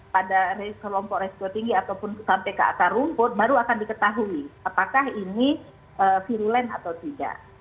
pada kelompok resiko tinggi ataupun sampai ke akar rumput baru akan diketahui apakah ini virulen atau tidak